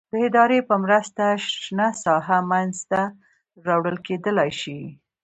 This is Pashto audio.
د ادارې په مرسته شنه ساحه منځته راوړل کېدلای شي.